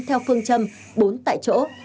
theo phương châm bốn tại chỗ